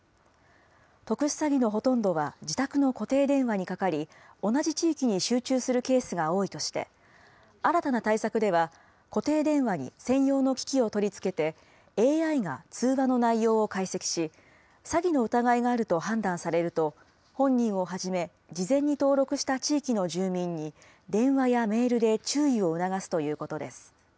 特殊詐欺のほとんどは自宅の固定電話にかかり、同じ地域に集中するケースが多いとして、新たな対策では、固定電話に専用の機器を取り付けて、ＡＩが通話の内容を解析し、詐欺の疑いがあると判断されると、本人をはじめ、事前に登録した地域の住民に電話やメールで注意を促すということです。